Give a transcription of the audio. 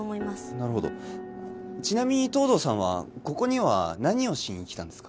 なるほどちなみに藤堂さんはここには何をしに来たんですか？